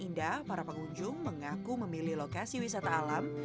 indah para pengunjung mengaku memilih lokasi wisata alam